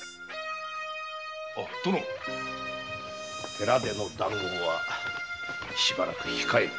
寺での談合はしばらく控えろ。